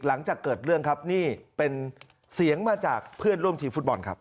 หลังจากเกิดเรื่องครับนี่เป็นเสียงมาจากเพื่อนร่วมทีมฟุตบอลครับ